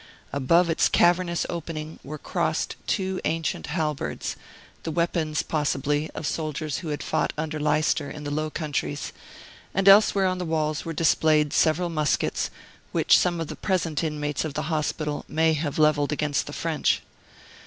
Above its cavernous opening were crossed two ancient halberds, the weapons, possibly, of soldiers who had fought under Leicester in the Low Countries; and elsewhere on the walls were displayed several muskets, which some of the present inmates of the hospital may have levelled against the French.